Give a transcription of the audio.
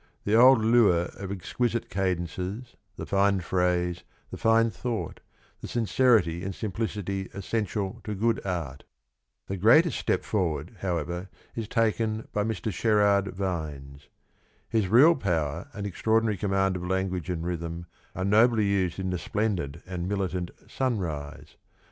. the old lure of exquisite cadences, the fine phrase, the fine thought, the sincerity and simplicity essential to good art. The greatest step forward, however, is taken by Mr. Sherard Nines. His real power and extraordinary command of language and rhythm are nobly used in the splendid and militant ' Sunrise.'